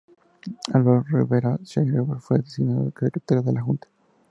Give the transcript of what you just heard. Eduardo Rivera Schreiber fue designado secretario de la Junta.